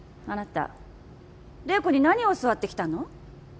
あなた麗子に何を教わってきたの？